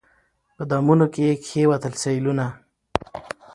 په دامونو کي یې کښېوتل سېلونه